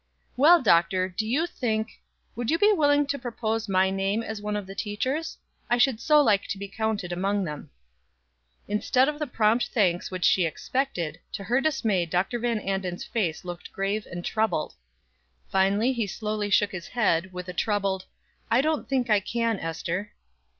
"Well, Doctor, do you think would you be willing to propose my name as one of the teachers? I should so like to be counted among them." Instead of the prompt thanks which she expected, to her dismay Dr. Van Anden's face looked grave and troubled. Finally he slowly shook his head with a troubled "I don't think I can, Ester."